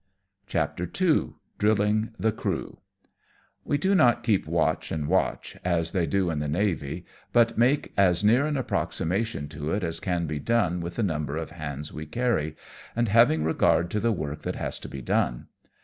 CHAPTER II. DRILLING THE CEEW. We do not keep watch and watchj as they do in the navy, but make as near an approximation to it as can be done with the number of hands we carry, and having regard to the work that has to be done.